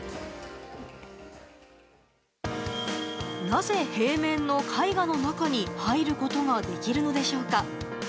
なぜ平面の絵画の中に入ることができるのでしょうか。